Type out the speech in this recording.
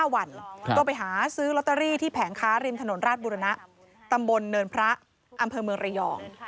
๕วันก็ไปหาซื้อลอตเตอรี่ที่แผงค้าริมถนนราชบุรณะตำบลเนินพระอำเภอเมืองระยอง